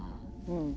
うん。